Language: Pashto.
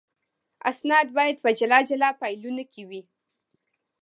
اسناد باید په جلا جلا فایلونو کې وي.